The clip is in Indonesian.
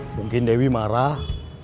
mungkin dewi marah